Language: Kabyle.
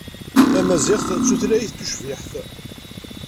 Tamaziɣt d tutlayt tucbiḥt.